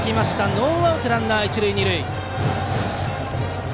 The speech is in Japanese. ノーアウトランナー、一塁二塁。